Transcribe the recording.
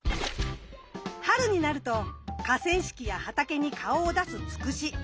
春になると河川敷や畑に顔を出すツクシ。